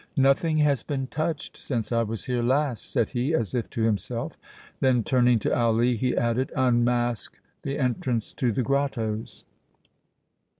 "Nothing has been touched since I was here last," said he, as if to himself; then, turning to Ali, he added: "Unmask the entrance to the grottoes!"